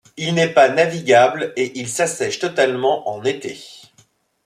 Il n'est pas navigable et il s'assèche totalement en été.